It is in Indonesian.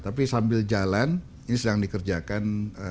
tapi sambil jalan ini sedang dikerjakan